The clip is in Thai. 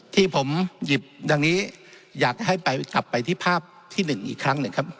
ที่ผมหยิบดังนี้อยากให้ไปกลับไปที่ภาพที่๑อีกครั้งหนึ่งครับ